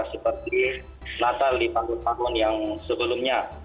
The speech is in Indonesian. seperti natal di panggung panggung yang sebelumnya